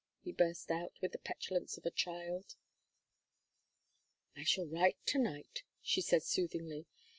he burst out, with the petulance of a child. "I will write to night," she said, soothingly.